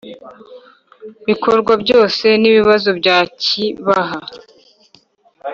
bikorwa byose n ibibazo bya ki baha